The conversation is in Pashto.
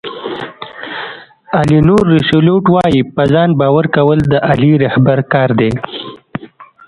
الینور روسیولوټ وایي په ځان باور کول د عالي رهبر کار دی.